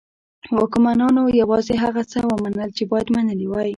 واکمنانو یوازې هغه څه ومنل چې باید منلي وای.